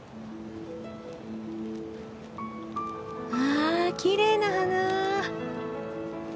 あきれいな花。